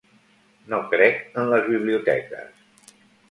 No crec en les biblioteques.